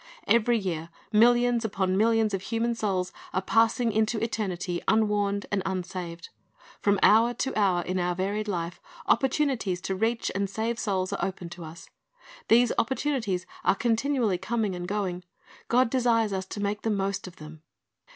Every year millions upon millions of human souls are passing into eternity unwarned and unsaved. From hour to hour in our varied life, opportunities to reach and save souls are opened to us. These opportunities are continually coming and going. God desires us to make the most of them.